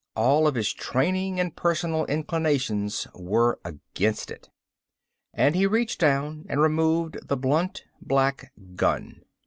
All of his training and personal inclinations were against it. And he reached down and removed the blunt, black gun.